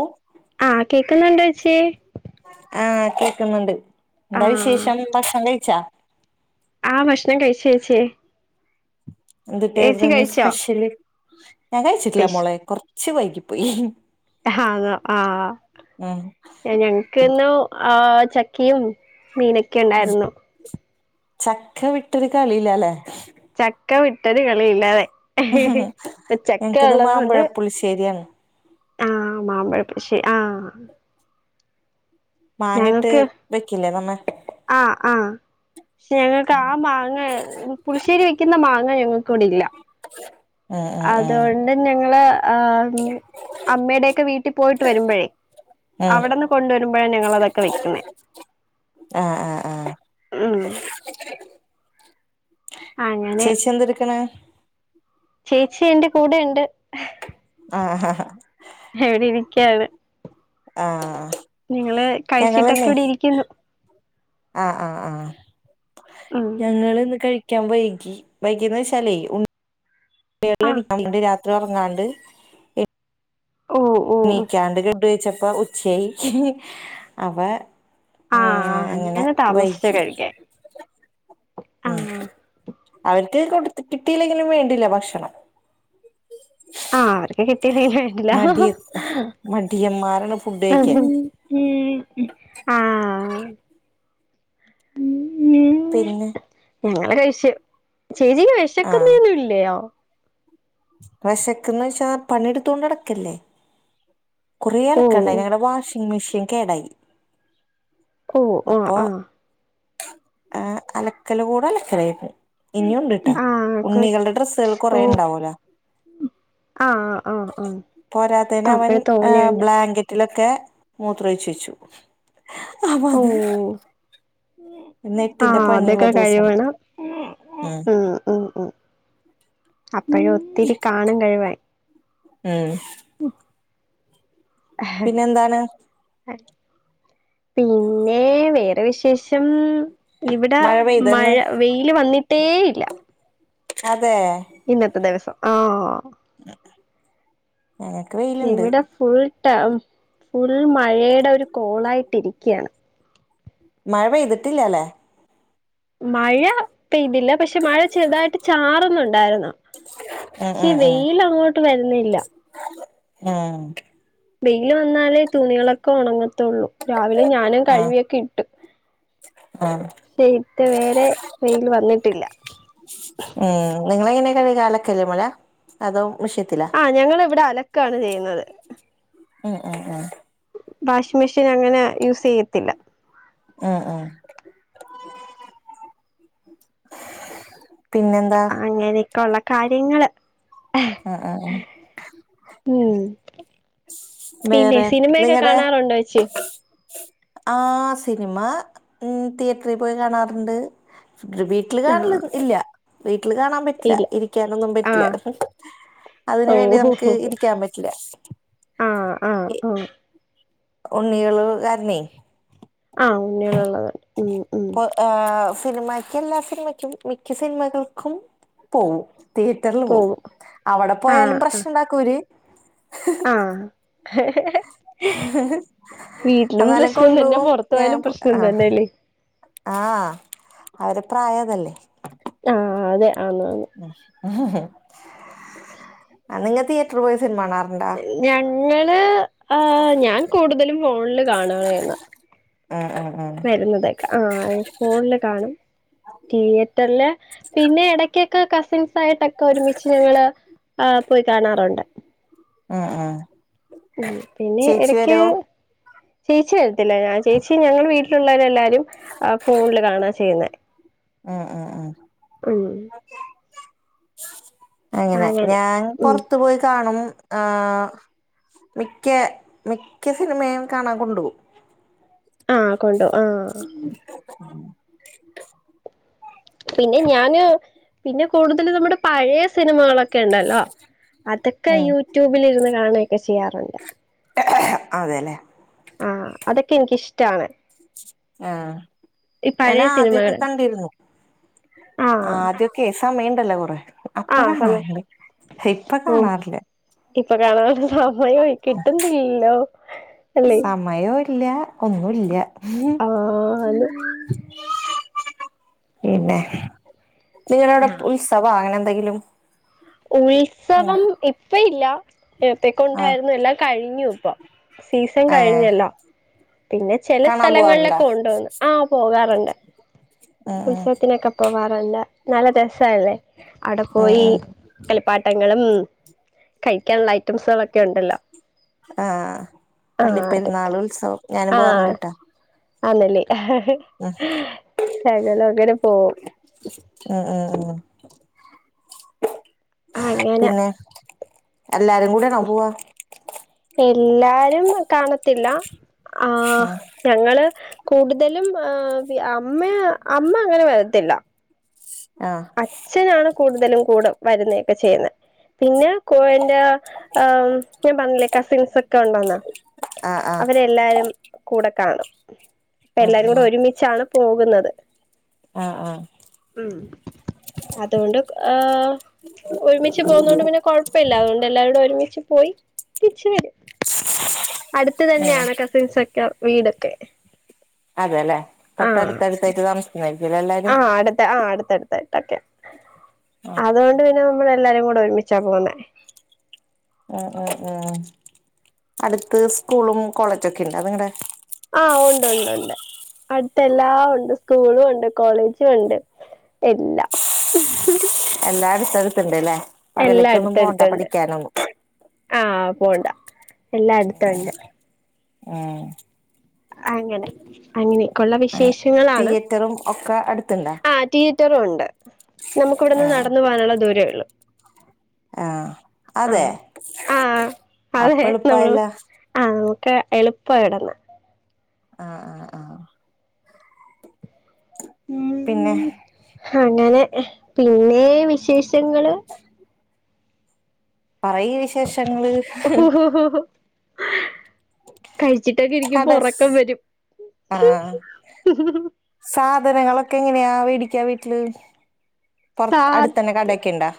O ആ കേൾക്കുന്നുണ്ടേച്യേ. ആഹ് കേക്ക്ന്നുണ്ട്. എന്താ ആഹ് വിശേഷം ഭക്ഷണം കഴിച്ചാ ആ ഭക്ഷണം കഴിച്ചേച്യേ. എന്തുട്ട്ടായിരുന്നു ഇന്ന് കഴിച്ചോ സ്പെഷ്യല്. ഞാൻ കഴിച്ചിട്ടില്ല സ്പെഷ് മോളെ. കൊറച്ച് വൈകിപ്പോയി. ആന്നൊ ആഹ് ഉം ഞൻ ക്ക്ന്നു ആ ചക്കയും മീനൊക്കെ ഇണ്ടായിരുന്നു. ചക്ക വിട്ടൊരു കളില്ലലെ. ചക്ക വിട്ടൊരു കളിയില്ലാലെ. ഇ ചക്ക ഇള്ളത് കൊണ്ട്. പുളി ശേര്യാണ്. ആഹ് മാമ്പഴപ്പുളിശ്ശേ ആഹ്. മാങ്ങട്ട് ഞങ്ങക്ക് വെക്കില്ലെ നമ്മ ആഹ് ആഹ് പക്ഷെ ഞങ്ങൾക്ക് ആ മാങ്ങ പുളിശ്ശേരി വെക്കുന്ന മാങ്ങ അങ്ങ ഞങ്ങക്ക് ഇവെടെ ഇല്ല. ഉം ഉം ഉം അതോണ്ട് ഞങ്ങള് ആ അമ്മയുടെയൊക്കെ വീട്ടിൽ പോയിട്ട് വരുമ്പഴെ ഉം അവിടെന്ന് കൊണ്ടുവരുമ്പഴാണ് ഞങ്ങള് അതൊക്കെ വെക്കുന്നെ. ആഹ് ആഹ് ആഹ് ഉം അങ്ങനെ ചേച്ചി എന്തെടുക്ക്ണെ. ചേച്ചി എന്റെ കൂടെ ഇണ്ട്. ആഹ് ആ ഹ ഞാൻ ഇവിടെ ഇരിക്കാണ്. ആഹ്. നിങ്ങള് കഴിച്ചിട്ടൊക്കെ ഞങ്ങളിന്നേ ഇവിടെ ഇരിക്കുന്നു. ആഹ് ആഹ് ആഹ് ഉം ഞങ്ങള് ഇന്ന് കഴി വൈകി. വൈകിന്നചാലെ ഉ ആഹ് [unintelligible] രാത്രി ഒറങ്ങാണ്ട് ഓ ഓ നീക്കാണ്ട് ഫുഡ് കഴിച്ചപ്പൊ ഉച്ചായി. അവ ആഹ് ഏഹ് അങ്ങനെ താമസിച്ചാ വൈകി കഴിക്കാൻ ഉം ആഹ് അവൽക്ക് കൊടു കിട്ടിയില്ലെങ്കിലും വേണ്ടില്ല ഭക്ഷണം. ഉ [inaudible] ആ അവർക്ക് കിട്ടീല്ലെങ്കിലും വേണ്ടില്ല. മടിയന്മാരാണ് ഫുഡ് [unintelligible] കഴിക്കാൻ ഉം ആ ഉം ഉം. പിന്നെ ഞങ്ങളെ [unintelligible] ചേച്ചിക്ക് വെശക്കുന്നെ ആഹ് ഒന്നും ഇല്യാേ. വെഷക്കുന്ന് വെച്ചാൽ പണിയെടുത്തോണ്ട് ഔടെ നിക്കല്ലെ. കൊറെ ഓ അലക്കാണ്ടായിനി ഞങ്ങളെ വാഷിംഗ് മെഷീൻ കേടായി. ഓ പൊ ആഹ് ആഹ് അലക്കലോട് അലക്കലായിരുന്നു ഇനി ഉണ്ട്ട്ടാ ആഹ് ഉണ്ണികളുടെ ഡ്രസ്സുകൾ ഓ കൊറെ ഉണ്ടാവ ലൊ ആഹ് ആഹ് ആഹ് പോരാത്തതിന് അവൻ അപ്പഴ് തോന്നിയുണ്ട് ബ്ലാങ്കറ്റ് റ്റിലൊക്കെ മൂത്രഒഴിച്ച് വെച്ചു അപ്പ ഓ അത് ഇന്ന് എട്ടിന്റെ ആഹ് പണിയുള്ള അതൊക്കെ ദിവസാണ് കഴിവേണം ഉം ഉം ഉം അപ്പോഴും ഒത്തിരി കാണും കഴിവാൻ മം പിന്നെ എന്താണ് പിന്നെ വേറെ വിശേഷം ഇവിടെ മഴ മഴ പെയ്തന്ന് വെയിൽ വന്നിട്ടേയില്ല അതെ ഇന്നത്തെ ദിവസം ആഹ് ഞങ്ങക്ക് വെയിലുണ്ട് ഫുൾട ഫുൾ മഴയുടെ ഒരു കോളായിട്ടി ഇരിക്കുകയാണ് മഴ പെയ്തിട്ടില്ല അല്ലെ മഴ പെയ്തില്ല പക്ഷെ മഴ ചെറുതായിട്ട് ചാറുന്നുണ്ടായിരുന്നു ഉം പക്ഷേ ഉം ഉം വെയിൽ അങ്ങോട്ട് വരുന്നില്ല ആഹ് വെയില് വന്നാലേ തൂണികളൊക്കെ ഉണങ്ങത്തുള്ളൂ രാവിലെ ഞാനും ആഹ് കഴുകിയൊക്കെ ഇട്ട് ആഹ് ഇതു വരെ വെയിൽ വന്നിട്ടില്ല ഉം നിങ്ങളെങ്ങനെ കഴ കാലൊക്കെല്ലേ അതോ മിഷയത്തില ഞങ്ങളിവിടെ അലക്കാണ് ചെയ്യുന്നത് അഹ് അഹ് അഹ് വാഷിംഗ് മെഷീൻ അങ്ങനെ യൂസ് ചെയ്യത്തില്ല അഹ് അഹ് പിന്നെന്താ അങ്ങനെയൊക്കെയ ഉള്ള കാര്യങ്ങള് അഹ് അഹ് അഹ് ഉം പിന്നെ വേറെ സിനിമയൊക്കെ നിങ്ങടെ കാണാറുണ്ടോ ചേച്ചി ആഹ് സിനിമ തിയറ്ററിൽ പോയി കാണാറുണ്ട് വീട്ടില് ആ കാണല ഇല്ല വീട്ടില് കാണാൻ പറ്റില്ല ഇല്ല ഇരിക്കാനൊന്നും ആ പറ്റില്ല അതിനന് ഓ വേണ്ടി നമുക്ക് ഇരിക്കാൻ പറ്റില്ല ആഹ് ആഹ് ഓ ഉണ്ണികള് കാരണെ ആഹ് ഉണ്ണികളുള്ളത് ഉം ഉം പ്പ സിനിമക്കും എല്ലാ സിനിമയ്ക്കും മിക്ക സിനിമകൾക്കും പോവും തിയേറ്ററിൽ പോവും പോകും അവിടെ ആ പോയാലും പ്രശ്നുണ്ടാക്കൂര് ആഹ് വീട്ടിലും എന്നാലും പ്രശ്നം തന്നെ കൊണ്ടുപോകും പുറത്ത് ഞാൻ പോയാലും പ്രശ്നം ആ തന്നെല്ലേ ആഹ് അവരെ പ്രായ അതല്ലേ ആഹ് അതെ ആന്ന് ആന്ന് നിങ്ങൾ തിയറ്റർ പോയി സിനിമ കാണാറുണ്ട ഞങ്ങള് ആഹ് ഞാൻ കൂടുതലും ഫോണിൽ കാണണാണ് ഉം ഉം ഉം വരുന്നത് ആഹ്ഫോണില് കാണും തിയറ്ററില് പിന്നെ ഇടക്കൊക്കെ കസിൻസ് യിട്ടൊക്കെ ഒരുമിച്ച് ഞങ്ങള് ആ് പോയി കാണാറുണ്ട് ആ ആഹ ഉ പിന്നെ ഇടക്ക് ചേച്ചി വരത്തില്ല ഞാൻ ചേച്ചി ഞങ്ങളടെ വീട്ടിലുള്ളവരെല്ലാ ഫോണിൽ കാണ ചെയ്യുന്നേ. അഅആ അങ്ങനെ ഞാൻ പുറത്തു പോയി കാണും ആ. മിക്ക മിക്ക സിനിമയും കാണാൻ കൊണ്ടുപകും. ആഹ കൊണ്ടു ആഹ. [inaudible] പിന്നെ ഞാന് പിന്നെ കൂടുതൽ നമ്മുടെ പഴയ സിനിമകളോ ഉണ്ടല്ലോ അതൊക്കെ ഉം യൂട്യൂബിലിരുന്ന് കാണുകയൊക്കെ ചെയ്യാറുണ്ട്. അതെല്ലേ. ആഹ അതൊക്കെ എനിക്കിഷ്ടാണ്. ആഹ ഈ ഞാൻ പഴയ ആദ്യൊക്കെ സിനിമകള് കണ്ടിരുന്നു. ആഹ് ആദ്യോക്കെ സമയണ്ടല്ലോ കൊറെ. അപ്പ ആഹ് സമയം കാണാറുണ്ട് ഇപ്പ ഓ കാണാറില്ലാ ഇപ്പൊ കാണാനുള്ള സമയം കിട്ടണ്ടില്ലല്ലോ അല്ലെ. മയോ ഇല്ല ഒന്നും ഇല്ല. ആഹ് അത് പിന്നെ നിങ്ങടവിടെ ഉത്സവ അങ്ങനെ എന്തെങ്കിലും. ഉത്സവം ഇപ്പ ഇല്ല. നേര്ത്തേക്കേ ആഹ് ഉണ്ടായിരുന്നു എല്ലാം കഴിഞ്ഞു ഇപ്പൊ സീസൺ ഏഹ് കഴിഞ്ഞല്ലാ പിന്നെ ചെല കാണാൻ സ്ഥലങ്ങളിലൊക്കെ പോവാറുണ്ടാ കൊണ്ടുവന്ന് ആഹ പോകാറുണ്ട് ഉം ഉം ഉത്സവത്തിനൊക്കെ. പോവാറുണ്ട് നല്ല രസല്ലേ അവിടെ ഉം പോയി. ഉം കളിപ്പാട്ടങ്ങളും കഴിക്കാനുള്ള ഐറ്റംസുകളൊക്കെ ഉണ്ടല്ലോ. ആ പള്ളി ആഹ് അതൊക്കെ പെരുന്നാൾ ഉത്സവം ഞാനും ആഹ് പോകാറുണ്ട്. ആന്നല്ലേ ഞങ്ങളും അങ്ങനെ പോവും. ആ ആ ആ. ആഹ അങ്ങനെ എല്ലാരും കൂടെ ആണോ പോവാ? എല്ലാരും കാണത്തില്ല ആഹ. ഉം ഞങ്ങള് കൂടുതലും അമ്മ അമ്മ അങ്ങനെ വരത്തില്ല. ആ അച്ഛനാണ് കൂടുതലും കൂടെ വരുന്നയൊക്കെ ചെയ്യുന്നെ. പിന്നെ കോയന്റെ ആ ഇപ്പം പറഞ്ഞില്ലേ കസിൻസ് ഒക്കെ ഉണ്ടന്ന. ആഹ് ആഹ് അങ്ങനെ എല്ലാരും കൂടെ കാണും അപ്പം ഉം എല്ലാരും കൂടെ ഉം ഒരുമിച്ചാണ്. പോകുന്നത്. ആ ആ. ഉ അതുകൊണ്ട് ഒരുമിച്ച് പോകുന്നോണ്ട് പിന്നെ കൊഴ ഴപ്പമില്ല അതോണ്ട് എല്ലാരൂടെ ഒരുമിച്ച് പോയി തിരിച്ച് വരും. അടുത്ത് ആഹ് തന്നെയാണ് കസിൻസൊക്കെ വീടൊക്കെ. അതെല്ലെ തൊട്ടടുത്തടുത്തായിട്ട് താമസിക്കുന്നതായിരിക്കില്ല എല്ലാരും. അടു ആ അടുത്തടുത്തായിട്ടൊക്കെ ഉം അതൊ പിന്നെ നമ്മളെല്ലാരും കൂടെ ഒരുമിച്ചാ പോകുന്നെ. ഉ ഉ ഉം അടുത്ത് സ്കൂളും കോളേജൊക്കെ ഉണ്ട് നിങ്ങടെ. ആ ഒണ്ട് ഒണ്ട് ഒണ്ട്. അടുത്തെല്ലാം ഉണ്ട് സ്കൂളും ഉണ്ട് കോളേജും ഉണ്ട് എല്ലാം എല്ലാ അടുത്തടുത്തുണ്ട് അല്ലേ എല്ലാം അകലക്കൊന്നും പോണ്ട അടുത്തടുത്തുണ്ട് പഠിക്കാനൊന്നും ആഹ് പോണ്ട എല്ലാം അടുത്തുണ്ട് ആഹ് ഉം അങ്ങനെ അങ്ങനെയൊക്കെയുള്ള വിശേഷങ്ങളാണ് തിയേറ്ററും ഒക്കെ അടുത്തുണ്ടാ ആഹ് റ്റീ റ്ററൂണ്ട് നമുക്ക് ഇവിടെന്ന് നടന്നു പോകാനുള്ള ദൂരേ ഉള്ളു ആഹ് അതെ ആഹ് ആ അതെ അപ്പ നമ്മള് എളുപ്പായല്ല ആഹ് നമുക്ക് എളുപ്പ ഇടന്ന് ആഹ് ആഹ് പിന്നെ ഉം അങ്ങനെ പിന്നേ വിശേഷങ്ങള് പറയ് വിശേഷങ്ങള് [inaudible] കഴിച്ചിട്ടൊക്കെ ഇരിക്കും കട ഒറക്കം വരും ആഹ് സാധനങ്ങളൊക്കെ എങ്ങനെയാ വേടിക്കാ വീട്ടില് പൊറ സാധ അടുത്തന്നെ കടയൊക്കെ ഇണ്ടാ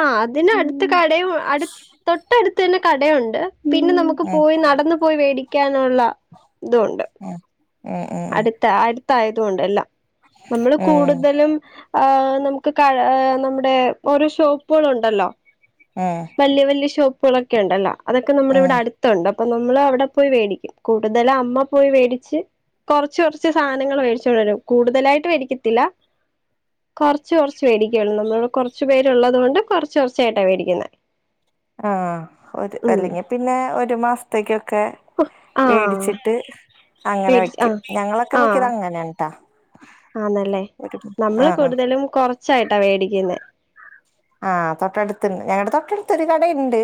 ആഹ് അതിനടുത്ത് കടയും അടു തൊട്ടടുത്ത് തന്നെ കടയുണ്ട് പിന്നെ നമു ക്ക്‌ ഉം പോയി നടന്നു പോയി മേടിക്കാനുള്ള ഇതുണ്ട് ഉം ഉം ഉം അടുത്ത അടുത്തായതുകൊണ്ടല്ലാം നമ്മള് ഉം കൂടുതലും ആഹ് നമുക്ക് ക നമ്മുടെ ഓരോ ഷോപ്പുകളുകളൊണ്ടല്ലോ ആഹ് വല്യ വല്യ ഷോപ്പുകളൊക്കെ ഉണ്ടല്ലാ അതൊക്കെ ഉം നമ്മുടെവിടടു ണ്ട് അപ്പൊ നമ്മള് അവിടെ പോയി മേടിക്കും കൂടുതലും അമ്മ പോയി മേടിച്ച് കൊറച്ച് കൊറച്ച് സാധനങ്ങൾ മേടിച്ചു കൊണ്ട് വരും കൂടുതലായിട്ട് മേടിക്കത്തില്ല കൊറച്ച് കൊറച്ച് മേടിക്കയുള്ളൂ നമ്മള് കുറച്ച് പേരുള്ളത് കൊണ്ട് കുറച്ച് കുറച്ചായിട്ടാ മേടിക്കുന്നെ ആഹ് ഒരു അല്ലെങ്കി പിന്നെ ഒരു മാസത്തേക്കൊക്കെ ആഹ് മേടിച്ചിട്ട് അങ്ങനെ മേടിച്ച് വയ്ക്കും ആഹ് ഞങ്ങളൊക്കെ ആഹ് മിക്കതും അങ്ങനെയാണ് ട്ടാ ആന്നല്ലേ നമ്മള് ആഹ് കൂടുതലും കൊറച്ചായിട്ടാ മേടിക്കുന്നെ ആഹ് തൊട്ടടുത്ത്ണ്ട് ഞങ്ങളുടെ തൊട്ടടുത്തൊരു കടുണ്ട്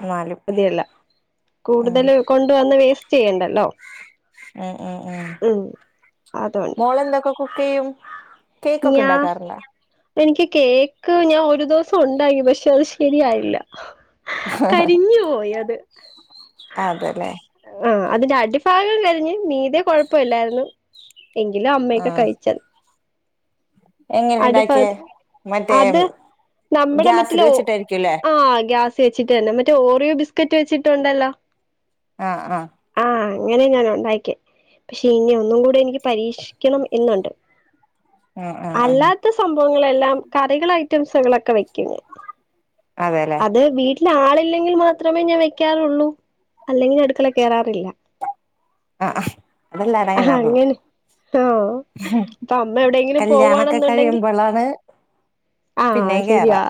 എന്നാലും പുതിയല്ല ഉം കൂടുതൽ കൊണ്ട് വന്ന് വേസ്റ്റ് ചെയ്യണ്ടല്ലോ ഉം ഉം ഉം അതുകൊണ്ട് മോളെന്തൊക്കെ കുക്ക് ചെയ്യും കേക്കൊക്കെ ഞാ ഉണ്ടാക്കാറുണ്ടോ എനിക്ക് കേക്ക് ഞാൻ ഒരു ദിവസം ഉണ്ടാക്കി പക്ഷെ അത് ശരിയായില്ല കരിഞ്ഞു പോയി അത് അതെല്ലേ ആഹ് അതിന്റെ അടിഭാഗം കരിഞ്ഞ് മീതെ കുഴപ്പമില്ലായിരുന്നു എങ്കിലും അമ്മയൊക്കെ ആഹ് കഴിച്ചത് എങ്ങനെ ഉണ്ടാക്കിയേ അടിഭാഗത്ത്‌ മറ്റേ അത് നമ്മുടെ ഗ്യാസിൽ മറ്റില വെച്ചിട്ടായിരിക്കുംല്ലേ ആ ഗ്യാസ് വെച്ചിട്ട്ന്നെ മറ്റേ ഓറിയോ ബിസ്ക്കറ്റ് വച്ചിട്ടുണ്ടല്ലോ ആഹ് ആഹ ആഹ് അങ്ങനെ ഞാൻ ഉണ്ടാക്കിയേ പക്ഷെ ഇനി ഒന്നും കൂടി എനിക്ക് പരീക്ഷിക്കണം എന്നുണ്ട് ആഹ് ആഹ് ആഹ് അല്ലാത്ത സംഭവങ്ങളെല്ലാം കറികൾ ഐറ്റംസുകളൊക്കെ വെ ക്കും ഞാൻ അതെല്ലേ അത് വീട്ട് പിന്നെ ആളില്ലെങ്കിൽ മാത്രമേ ഞാൻ വെക്കാറുള്ളൂ അല്ലെങ്കിൽ അടുക്കളെ കയറാറില്ല ആഹ് ആഹ് അതെല്ലാരും അങ്ങനെയാണല്ലോ അങ്ങനെ ആഹ് അമ്മ എവിയെങ്കിലും പോകവാണെന്നുണ്ടെങ്കിൽ അള്ളാണെ പിന്നേം കേറാ ശരിയാ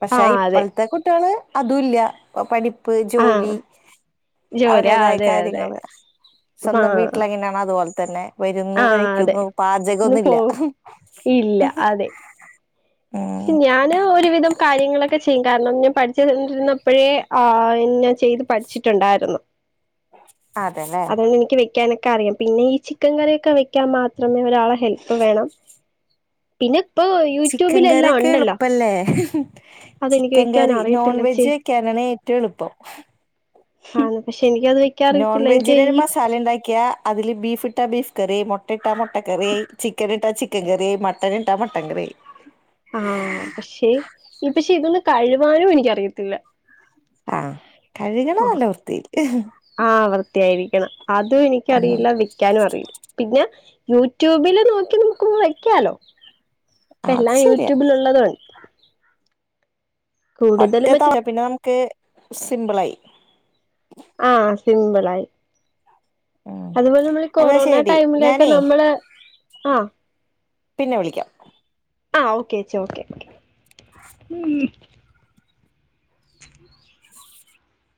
പക്ഷെ ആഹ് അതെ ഇപ്പൾത്തെ കുട്ടികള് അതൂല്ലാ ഇപ്പ പഠി പ്പ് ജോലി ആഹ് ജോലി ആഹ് അവരേതായ അതെ അതെ കാര്യങ്ങള് സ്വന്തം ആഹ് വീട്ടിലെങ്ങനാണോ അതു പോലെ തന്നെ വെരുന്നു ആഹ് അതെ കഴിക്കുന്നു ഇന്ന് പോ പാചകൊന്നുല്ലാ ഇല്ല അതെ പക്ഷെ ഞാന് ഒരുവിധം കാര്യങ്ങളൊക്കെ ചെയ്യും കാരണം ഞാൻ പഠിച്ചോണ്ടിരുന്നപ്പഴേ ആഹ് എൻ ഞാൻ ചെയ്ത് പഠിച്ചിട്ടൊണ്ടായിരുന്നു അതെല്ലേ അതുകൊണ്ട് എനിക്ക് വെക്കാനൊക്കെ അറിയാം പിന്നെ ഈ ചിക്കൻ കറിയൊക്കെ വെക്കാൻ മാത്രമേ ഒരാളെ ഹെൽപ്പ് വേണം പിന്നെ ഇപ്പോ യൂട്യൂബ് ക്കൻ കറിയൊക്കെ എളുപ്പല്ലേ അതെനിക്ക് ചിക്കൻ വെക്കാൻ കറി നോൺ അറിയത്തില്ലച്ചി വെജ് വെക്കാനാണ് ഏറ്റോം എളുപ്പം ആണ് പക്ഷെ എനിക്ക് അത് വെക്ക് വെക്കാൻ നോൺ അറിയത്തില്ല വെജിനൊരു മസാല ഇണ്ടാക്കിയാ അതില് ബീഫ് ഇട്ടാ ബീഫ് കറി മൊട്ട ഇട്ടാ മൊട്ട കറി ചിക്കൻ ഇട്ടാ ചിക്കൻ കറി മട്ടൻ ഇട്ടാ മട്ടൻ കറിയായി ആഹ് പക്ഷെ ഈ പക്ഷെ ഇതൊന്നും കഴുവാനും എനിക്കറിയത്തില്ലാ ആഹ് കഴുകണം നല്ല വൃത്തീല് ആഹ് വൃത്തിയായിരിക്കണം അതും ഉം എനിക്കറിയില്ല വിക്കാനും അറിയില്ലാ പിന്നാ യൂട്യൂബില് നോക്കി നമുക്ക് വെക്കാലോ ഇപ്പ അത് എല്ലാം ശരിയാ യൂട്യൂബിൽ ഒള്ളതാണ് ഒറ്റ കൂടുതലും മറ്റേ തവണ പിന്നെ നമ്മക്ക് സിമ്പിളായി ആഹ് സിമ്പിളായി ഉം അതുപോലെ നമ്മൾ ഈ എന്നാ കൊറോണ ശരി ടൈമിലൊക്കെ ഞാനേ നമ്മള് ആഹ് പിന്നെ വിളിക്കാം. ആഹ് ഓക്കേച്ചി ഓക്കെ ഓക്കെ